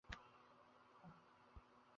তাঁহার যেন আর ঘরকন্নায় মন লাগে না।